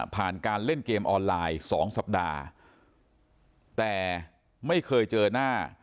การเล่นเกมออนไลน์สองสัปดาห์แต่ไม่เคยเจอหน้า